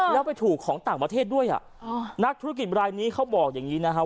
แล้วไปถูกของต่างประเทศด้วยอ่ะนักธุรกิจรายนี้เขาบอกอย่างนี้นะครับ